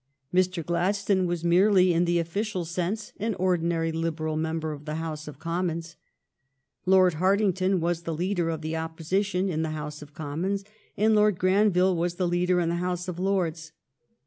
Mr. Gladstone was merely, in the official sense, an ordinary Liberal Member of the House of Commons. Lord Hartington was the leader of the Opposition in the House of Com mons, and Lord Granville was the leader in the House of Lords.